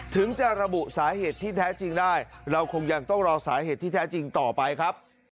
ถึงจะระบุสาเหตุที่แท้จริงได้เราคงยังต้องรอสาเหตุที่แท้จริงต่อไปครับ